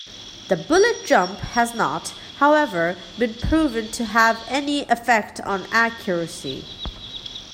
The "bullet jump" has not, however, been proven to have any effect on accuracy.